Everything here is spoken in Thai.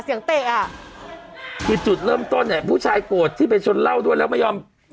เสียงเตะอ่ะจุดเริ่มต้นไอ้ผู้ชายโกรธที่ไปชนเล้วด้วยแล้วไม่ยอม